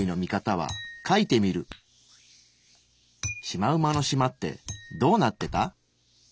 シマウマのしまってどうなってた？